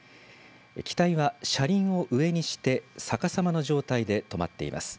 機体は車輪を上にして逆さまの状態で止まっています。